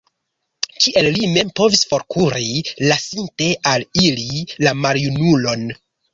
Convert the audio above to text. Kiel li mem povis forkuri, lasinte al ili la maljunulon?